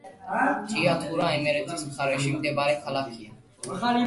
ჭიათურა იმერეთის მხარეში მდებარე ქალაქია.